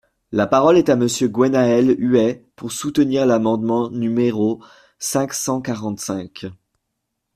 La parole est à Monsieur Guénhaël Huet, pour soutenir l’amendement numéro cinq cent quarante-cinq.